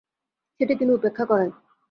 সেটি তিনি উপেক্ষা করেন।